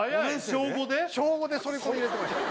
小５で剃り込み入れてました